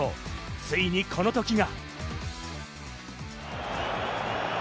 ついにこの時が。